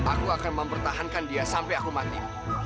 aku akan mempertahankan dia sampai aku mati